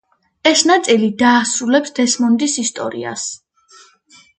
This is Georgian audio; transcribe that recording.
ეს ნაწილი დაასრულებს დესმონდის ისტორიას.